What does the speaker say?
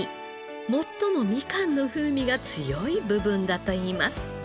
最もみかんの風味が強い部分だといいます。